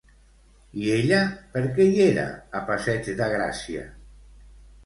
I ella per què hi era a passeig de Gràcia?